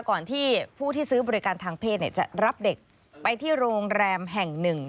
ก่อนที่ผู้ที่ซื้อบริการทางเพศจะรับเด็กไปที่โรงแรมแห่งหนึ่ง